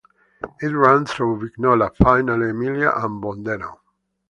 It runs through Vignola, Finale Emilia and Bondeno.